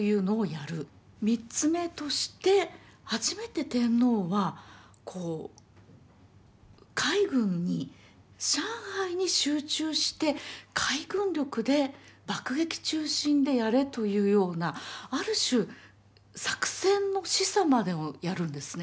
３つ目として初めて天皇は海軍に上海に集中して海軍力で爆撃中心でやれというようなある種作戦の示唆までをやるんですね。